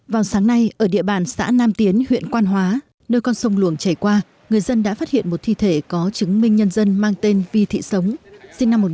vào sáng nay ở địa bàn xã nam tiến huyện quan hóa nơi con sông luồng chảy qua người dân đã phát hiện một thi thể có chứng minh nhân dân mang tên vi thị sống sinh năm một nghìn chín trăm tám mươi